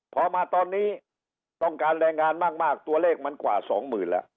พอมาตอนนี้ต้องงานแรงงานมากตัวเลขมันกว่า๒๐๐๐๐ละ